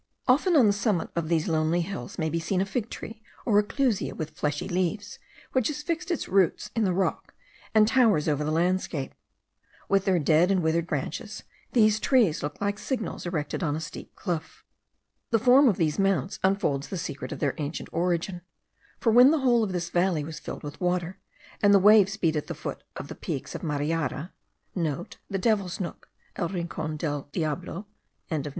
Often on the summit of these lonely hills may be seen a fig tree or a clusia with fleshy leaves, which has fixed its roots in the rock, and towers over the landscape. With their dead and withered branches, these trees look like signals erected on a steep cliff. The form of these mounts unfolds the secret of their ancient origin; for when the whole of this valley was filled with water, and the waves beat at the foot of the peaks of Mariara (the Devil's Nook* (* El Rincon del Diablo.))